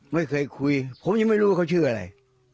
ไม่เคยคุยผมยังไม่รู้ว่าเขาชื่ออะไร